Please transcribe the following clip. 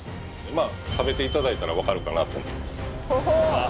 まあ食べていただいたら分かるかなと思います